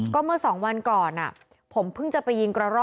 คือมีคนมาสงสัยเรา